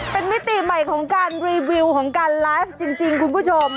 เป็นมิติใหม่ของการรีวิวของการไลฟ์จริงคุณผู้ชม